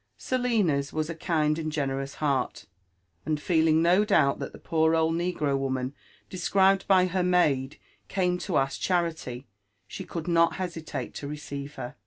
Selina's was a kind and generous heart ; and feeling no doubt that the poor old negro woi^n describedby her maid came to ask charity, she could not hesitate to receive her.